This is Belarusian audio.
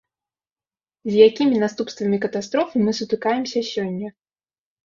З якімі наступствамі катастрофы мы сутыкаемся сёння?